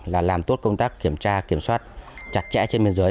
là làm tốt công tác kiểm tra kiểm soát chặt chẽ trên biên giới